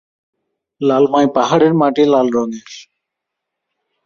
লালমাই পাহাড়ের মাটি লাল রংয়ের।